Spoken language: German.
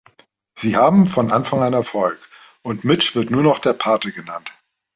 Sie haben von Anfang an Erfolg und Mitch wird nur noch „der Pate“ genannt.